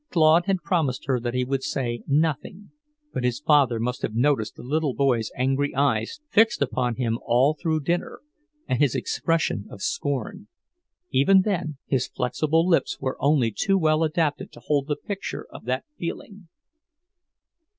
Claude had promised her that he would say nothing, but his father must have noticed the little boy's angry eyes fixed upon him all through dinner, and his expression of scorn. Even then his flexible lips were only too well adapted to hold the picture of that feeling.